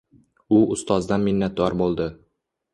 U ustozdan minnatdor bo‘ldi.